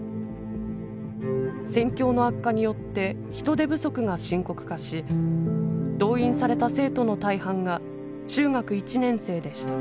戦況の悪化によって人手不足が深刻化し動員された生徒の大半が中学１年生でした。